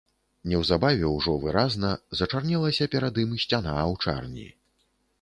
Неўзабаве ўжо выразна зачарнелася перад ім сцяна аўчарні.